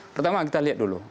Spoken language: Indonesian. pertama kita lihat dulu